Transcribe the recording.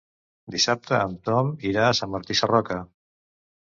Dissabte en Tom irà a Sant Martí Sarroca.